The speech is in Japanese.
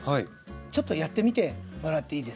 ちょっとやってみてもらっていいですか？